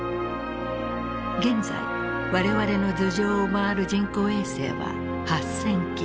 現在我々の頭上を回る人工衛星は８，０００基。